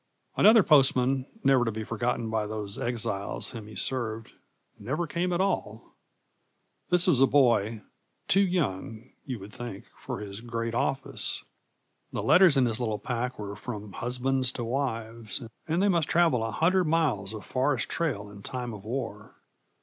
Another postman, never to be forgotten by those exiles whom he served, never came at all. This was a boy, too young, you would think, for his great office. The letters in his little pack were from husbands to wives, and they must travel a hundred miles of forest trail in time of war.